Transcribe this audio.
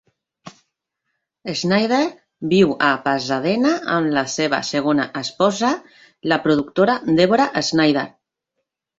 Snyder viu a Pasadena amb la seva segona esposa, la productora Deborah Snyder.